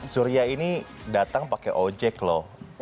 surya ini datang pakai ojek loh